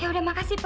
yaudah makasih mbak